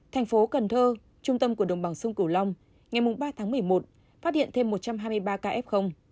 thành phố cần thơ trung tâm của đồng bằng sông cửu long ngày ba tháng một mươi một phát hiện thêm một trăm hai mươi ba ca f